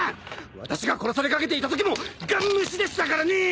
私が殺されかけていたときもガン無視でしたからねぇ！